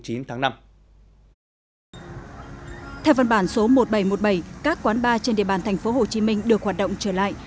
theo văn bản số một nghìn bảy trăm một mươi bảy các quán bar trên địa bàn tp hcm được hoạt động trở lại